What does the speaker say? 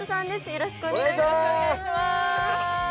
よろしくお願いします